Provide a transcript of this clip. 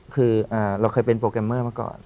คือเราเคยเป็นโปรแกรมเมอร์มาก่อน